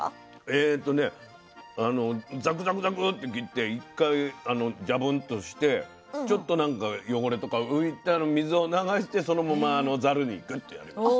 えとねあのザクザクザクって切って一回ジャブンとしてちょっとなんか汚れとか浮いたの水を流してそのままざるにグッとやります。